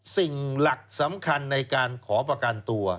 สิ่งหลักสำคัญในการขอประกันตัว